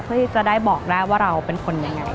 เพื่อที่จะได้บอกได้ว่าเราเป็นคนยังไง